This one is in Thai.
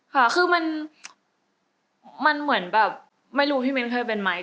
ค่ะคือมันเหมือนแบบไม่รู้พี่มิ้นเคยเป็นไหม